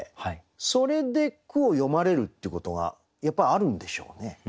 それで句を詠まれるっていうことがやっぱりあるんでしょうね？